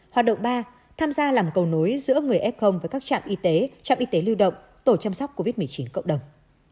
hoạt động ba tham gia làm cầu nối giữa người f với các trạm y tế trạm y tế lưu động tổ chăm sóc covid một mươi chín cộng đồng